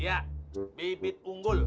ya bibit unggul